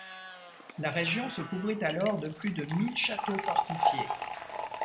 La région se couvrit alors de plus de mille châteaux fortifiés.